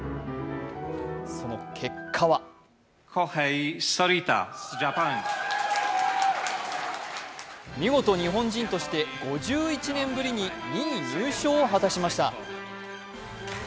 その結果は見事、日本人として５１年ぶりに２位入賞を果たしました。